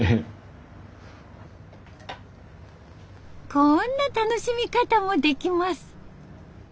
こんな楽しみ方もできます。